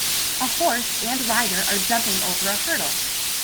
A horse and rider are jumping over a hurdle.